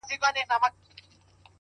د زړه پاکوالی د فکر رڼا زیاتوي،